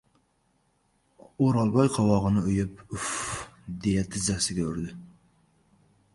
O‘rolboy qovog‘ini uyub, uf-f, deya tizzasiga urdi: